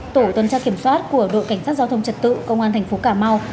tổ tuần tra kiểm soát của đội cảnh sát giao thông trật tự công an thành phố cà mau